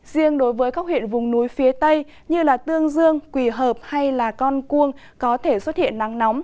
riêng đối với các huyện vùng núi phía tây như tương dương quỳ hợp hay con cuông có thể xuất hiện nắng nóng